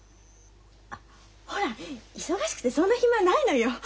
あっほら忙しくてそんな暇ないのよ。